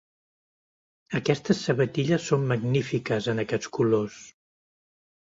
Aquestes sabatilles són magnífiques en aquests colors!